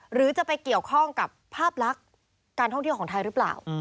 หรือจะไปเกี่ยวข้องกับภาพลักษณ์การท่องเที่ยวของไทยหรือเปล่า